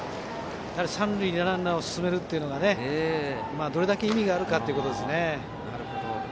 三塁にランナーを進めるというのがどれだけ意味があるかということですね。